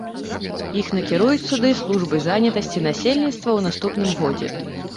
Іх накіруюць туды службы занятасці насельніцтва ў наступным годзе.